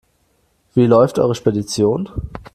Wie läuft eure Spedition?